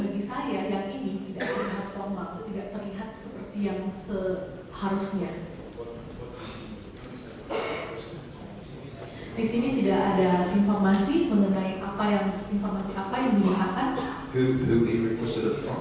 di sini tidak ada informasi mengenai apa yang dibahas